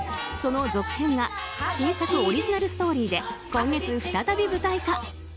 その続編が新作オリジナルストーリーで今月、再び舞台化。